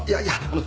あの。